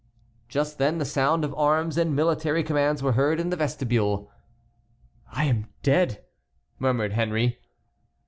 Just then the sound of arms and military commands were heard in the vestibule. "I am dead!" murmured Henry.